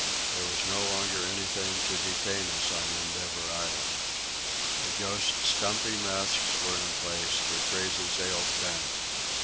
There was no longer anything to detain us on Endeavour Island. The Ghost's stumpy masts were in place, her crazy sails bent.